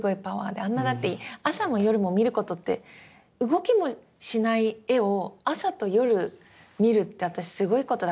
あんなだって朝も夜も見ることって動きもしない絵を朝と夜見るって私すごいことだと思うんですよ。